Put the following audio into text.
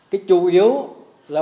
cái chủ yếu là